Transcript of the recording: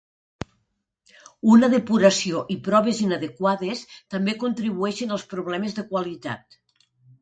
Una depuració i proves inadequades també contribueixen als problemes de qualitat.